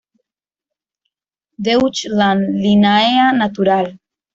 Deutschland; Linnaea; Natural.